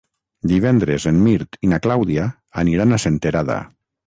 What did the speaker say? Divendres en Mirt i na Clàudia aniran a Senterada.